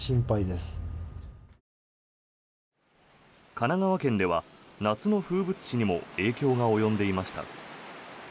神奈川県では夏の風物詩にも影響が及んでいました。